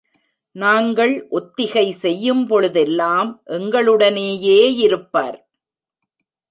நாங்கள் ஒத்திகை செய்யும் பொழுதெல்லாம் எங்களுடனேயேயிருப்பார்.